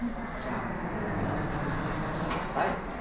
じゃあこれをまず見て下さい。